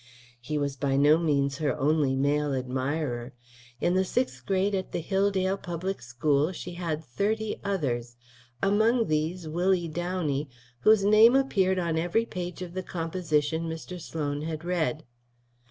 He was by no means her only male admirer. In the Sixth Grade at the Hilldale Public School she had thirty others; among these Willie Downey, whose name appeared on every page of the composition Mr. Sloan had read.